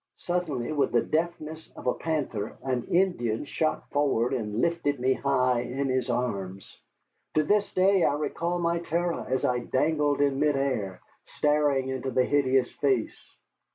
Suddenly, with the deftness of a panther, an Indian shot forward and lifted me high in his arms. To this day I recall my terror as I dangled in mid air, staring into a hideous face.